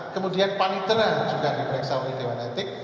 kemudian panitera juga diperiksa oleh dewan etik